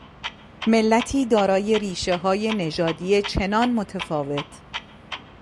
ملتی دارای ریشههای نژادی چنان متفاوت